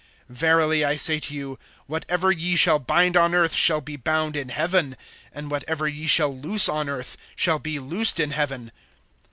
(18)Verily I say to you: Whatever ye shall bind on earth shall be bound in heaven; and whatever ye shall loose on earth shall be loosed in heaven.